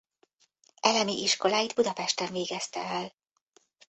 Elemi iskoláit Budapesten végezte el.